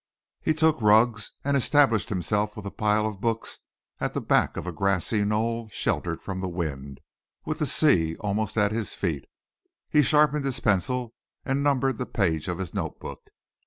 He took rugs and established himself with a pile of books at the back of a grassy knoll, sheltered from the wind, with the sea almost at his feet. He sharpened his pencil and numbered the page of his notebook.